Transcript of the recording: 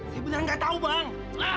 saya benar nggak tahu bang